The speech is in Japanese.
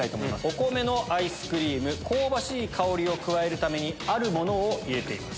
お米のアイスクリームに香ばしい香りを加えるためにあるものを入れています。